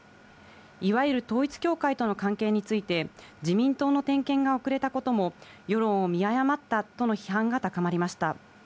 いわゆる統一教会との関係について、自民党の点検が遅れたことも、世論を見誤ったとの批判が高まりました。